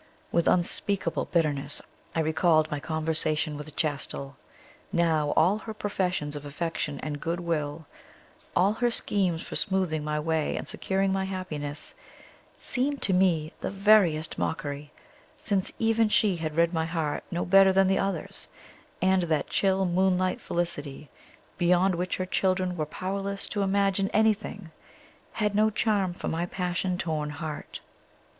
With unspeakable bitterness I recalled my conversation with Chastel: now all her professions of affection and goodwill, all her schemes for smoothing my way and securing my happiness, seemed to me the veriest mockery, since even she had read my heart no better than the others, and that chill moonlight felicity, beyond which her children were powerless to imagine anything, had no charm for my passion torn heart.